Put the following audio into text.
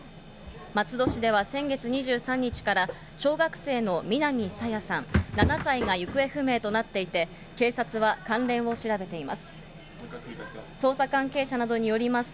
松戸市では先月２３日から小学生の南朝芽さん７歳が行方不明となっていて、警察は関連を調べています。